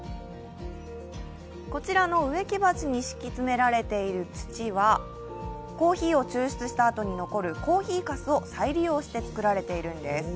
こちらの植木鉢に敷きつめられている土はコーヒーを抽出したあとに残るコーヒーかすを再利用して作られているんです。